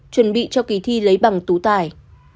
chuẩn bị cho kỳ thi lấy bằng tú tài